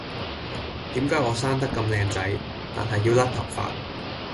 點解我生得咁靚仔，但係要甩頭髮